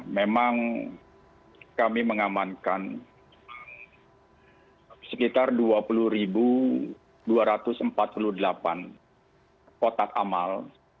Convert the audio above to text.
memang kami mengamankan sekitar dua puluh dua ratus empat puluh delapan kotak amal